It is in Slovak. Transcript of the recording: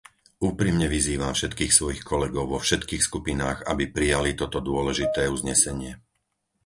Úprimne vyzývam všetkých svojich kolegov vo všetkých skupinách, aby prijali toto dôležité uznesenie.